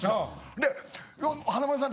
で華丸さん